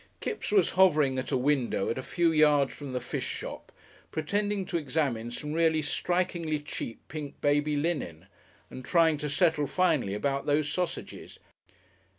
Kipps was hovering at a window at a few yards from the fish shop, pretending to examine some really strikingly cheap pink baby linen, and trying to settle finally about those sausages.